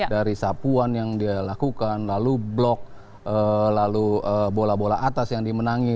dari sapuan yang dia lakukan lalu blok lalu bola bola atas yang dimenangi